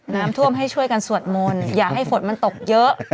น้ำท่วมให้ช่วยกันสวดมนต์อย่าให้ฝนมันตกเยอะ